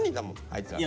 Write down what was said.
あいつら。